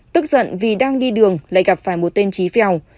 tức giận vì đang đi đường lại gặp phải một tên trí phèo